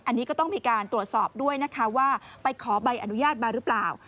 อันนี้ก็ต้องมีการตรวจสอบด้วยนะคะว่าไปขอใบอนุญาตมาหรือเปล่า